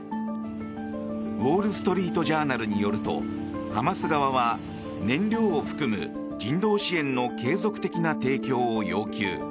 ウォール・ストリート・ジャーナルによるとハマス側は、燃料を含む人道支援の継続的な提供を要求。